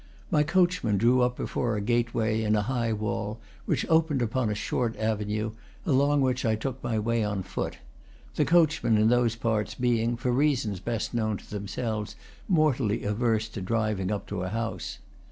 My coachman drew up before a gateway, in a high wall, which opened upon a short avenue, along which I took my way on foot; the coachmen in those parts being, for reasons best known to them selves, mortally averse to driving up to a house.